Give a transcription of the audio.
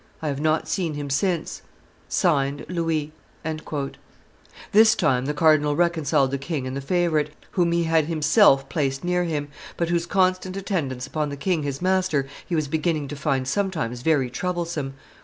I have not seen him since. Signed, Louis." This time the cardinal reconciled the king and the favorite, whom he had himself placed near him, but whose constant attendance upon the king his master he was beginning to find sometimes very troublesome.